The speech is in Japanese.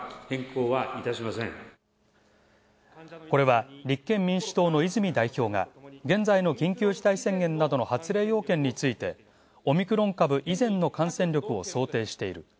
これは立憲民主党の泉代表が現在の緊急事態宣言などの発令要件についてオミクロン株以前の感染力を想定している。